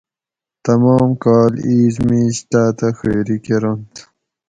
تمام کال اِیس مِیش تاتہ خوئیری کۤرنت